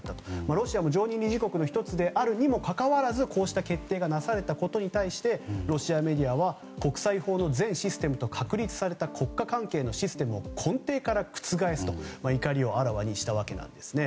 ロシアも常任理事国の１つであるにもかかわらずこうした決定がなされたことに対してロシアメディアは国際法の全システムと、確立された国家関係のシステムを根底から覆すと、怒りをあらわにしたわけなんですね。